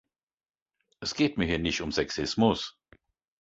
Es geht mir hier nicht um Sexismus.